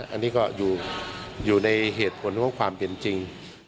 อันนี้ก็อยู่ในเหตุผลของความเป็นจริง